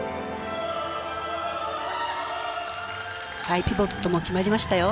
はいピボットも決まりましたよ。